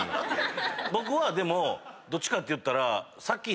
僕はでもどっちかっていったら。